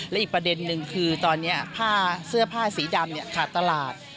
และอีกประเด็นนึงคือตอนนี้ผ้าเสื้อผ้าสีดำขาดตลาด